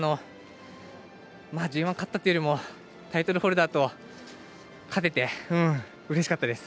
ＧＩ勝ったというよりもタイトルホルダーと勝ててうれしかったです。